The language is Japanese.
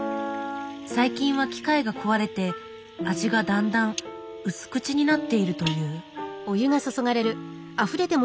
最近は機械が壊れて味がだんだん薄口になっているという。